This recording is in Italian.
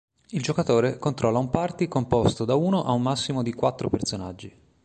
Il giocatore controlla un party composto da uno a un massimo di quattro personaggi.